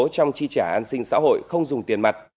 trong chi trả an sinh xã hội không dùng tiền mặt